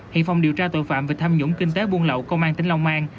hiện phòng điều tra tội phạm về tham nhũng kinh tế buôn lậu công an tỉnh long an